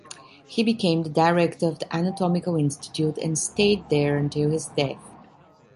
He became the director of the Anatomical Institute and stayed there until his death.